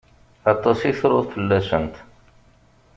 Aṭas i truḍ fell-asent.